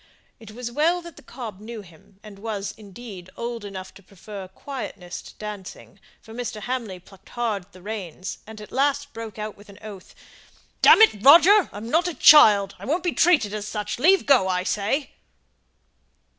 It was well that the cob knew him, and was, indeed, old enough to prefer quietness to dancing; for Mr. Hamley plucked hard at the reins, and at last broke out with an oath, "Damn it, Roger! I'm not a child; I won't be treated as such. Leave go, I say!"